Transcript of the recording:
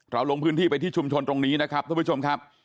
ลงพื้นที่ไปที่ชุมชนตรงนี้นะครับท่านผู้ชมครับ